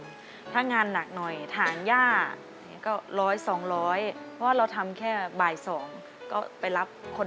มีวันหนึ่งก็ต้องใช้ประมาณ๑๕๐บาท